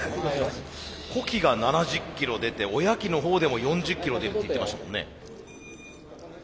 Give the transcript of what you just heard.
子機が７０キロ出て親機のほうでも４０キロ出るって言ってましたもんね。